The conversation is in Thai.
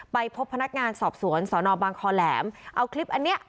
ไปพบพนักงานสอบสวนสอนอบางคอแหลมเอาคลิปอันเนี้ย